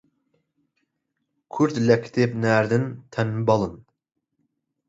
کورد لە کتێب ناردن تەنبەڵن